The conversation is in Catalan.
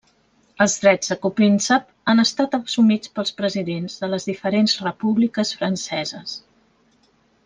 Els drets de Copríncep han estat assumits pels presidents de les diferents Repúbliques Franceses.